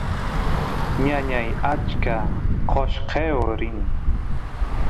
ñañay achka qoshqeo rin